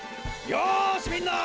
よしみんな！